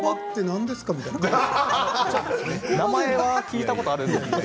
名前は聞いたことあるんですけど。